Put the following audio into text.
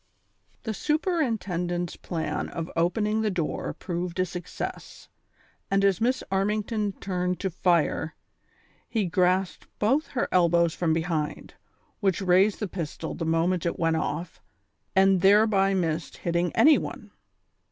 [HE superintendent's plan of opening the door proved a success ; and as Miss Armington turned to fire, he grasped both her elbows from behind, which raised the pistol the moment it went ofiE, and thereby missed hitting any one.